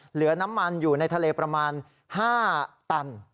เหลือน้ำมันอยู่ในทะเลประมาณ๕ตัน